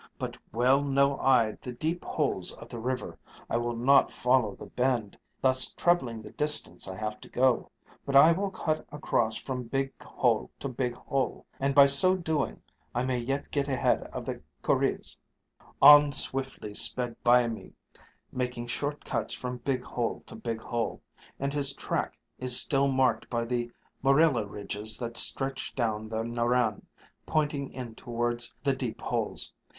But well know I the deep holes of the river. I will not follow the bend, thus trebling the distance I have to go, but I will cut across from big hole to big hole, and by so doing I may yet get ahead of the kurreahs." On swiftly sped Byamee, making short cuts from big hole to big hole, and his track is still marked by the morilla ridges that stretch down the Narran, pointing in towards the deep holes.